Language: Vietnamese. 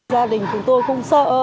gia đình chúng tôi không sợ